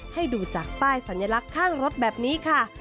ให้ดูจากป้ายสัญลักษณ์ข้างรถแบบนี้ค่ะ